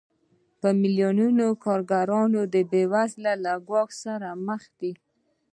په میلیونونو کارګران د بېوزلۍ له ګواښ سره مخ دي